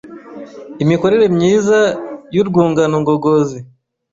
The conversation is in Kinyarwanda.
imikorere myiza y’urwungano ngogozi